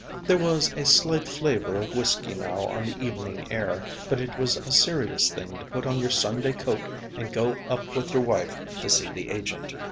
There was a slight flavor of whisky now on the evening air, but it was a serious thing to put on your Sunday coat and go up with your wife to see the agent.